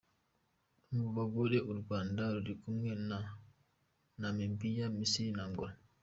Mu bagore u Rwanda rurikumwe na Namibia, Misiri na Angola.